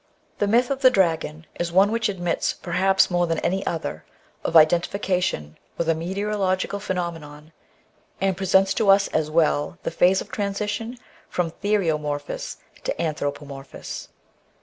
The myth of the dragon is one which admits, perhaps more than any other, of identification with a meteorological phenomenon, and presents to us as well the phase of transition from theriomorphosis to anthro pomorphosis.